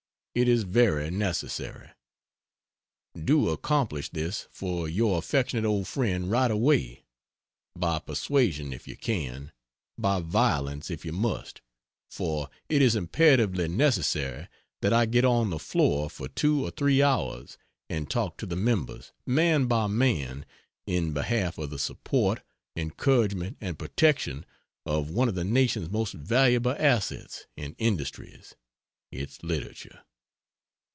It is very necessary. Do accomplish this for your affectionate old friend right away; by persuasion, if you can, by violence if you must, for it is imperatively necessary that I get on the floor for two or three hours and talk to the members, man by man, in behalf of the support, encouragement and protection of one of the nation's most valuable assets and industries its literature.